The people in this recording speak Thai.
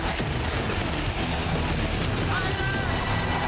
ไทยละ